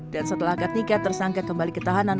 dan setelah agak nikah tersangkat kembali ketahanan